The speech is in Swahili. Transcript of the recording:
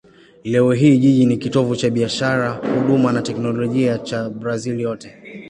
Leo hii jiji ni kitovu cha biashara, huduma na teknolojia cha Brazil yote.